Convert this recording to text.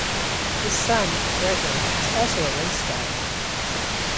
His son, Gregor, is also a race driver.